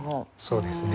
そうですね。